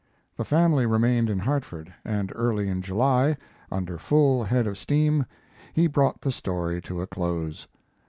The family remained in Hartford, and early in July, under full head of steam, he brought the story to a close.